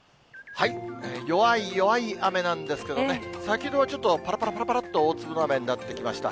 弱い弱い雨なんですけどね、先ほどはちょっとぱらぱらぱらっと大粒の雨になってきました。